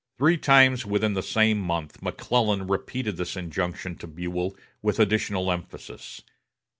Three times within the same month McClellan repeated this injunction to Buell with additional emphasis.